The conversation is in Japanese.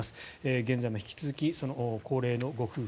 現在も引き続き高齢のご夫婦